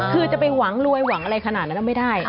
คือจะไปหวังรวยหวังอะไรขนาดนั้นไม่ได้